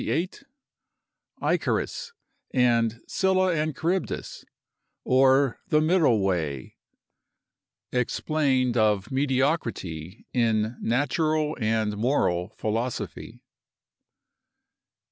XXVII.—ICARUS AND SCYLLA AND CHARYBDIS, OR THE MIDDLE WAY. EXPLAINED OF MEDIOCRITY IN NATURAL AND MORAL PHILOSOPHY.